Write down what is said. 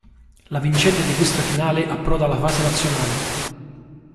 La vincente di questa finale approda alla fase nazionale.